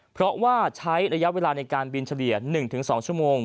เพราะว่าใช้ระยะเวลาในการบินเฉลี่ย๑๒ชั่วโมง